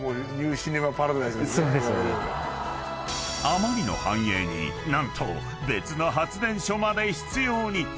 ［あまりの繁栄に何と別の発電所まで必要に］